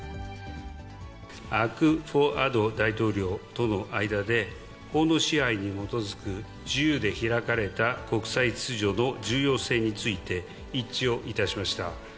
アクフォアド大統領との間で、法の支配に基づく自由で開かれた国際秩序の重要性について一致をいたしました。